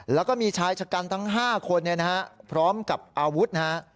แล้วก็มีชายชะกันทั้ง๕คนพร้อมกับอาวุธนะฮะ